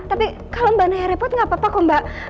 tapi kalau mbak nanya repot gak apa apa kok mbak